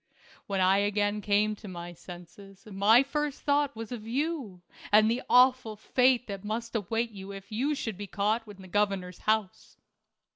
When I again came to my senses my first thought was of you and the awful fate that must await you if you should be caught in the governor's house.